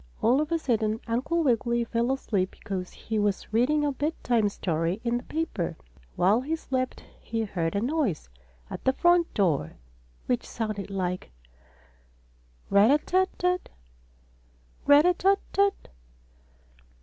All of a sudden Uncle Wiggily fell asleep because he was reading a bed time story in the paper, and while he slept he heard a noise at the front door, which sounded like: "Rat a tat tat! Rat a tat tat!"